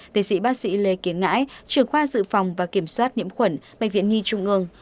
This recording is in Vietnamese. tiến sĩ bác sĩ lê tiến ngãi trường khoa dự phòng và kiểm soát nhiễm khuẩn bệnh viện nhi trung ương